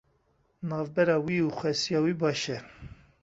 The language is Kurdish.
Navbera wî û xesûya wî baş e.